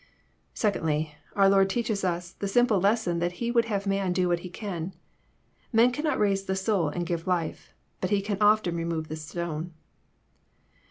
— Secondly, our Lord teaches us the simple lesson that He would have man do what he can. Man cannot raise the soul, and give life, but he can often remove the stone.